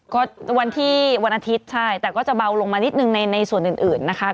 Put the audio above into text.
ก็วันที่วันอาทิตย์ใช่แต่ก็จะเบาลงมานิดนึงในส่วนอื่นนะคะ